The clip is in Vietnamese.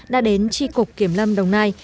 đã đến tri cục kiểm lâm đồng nai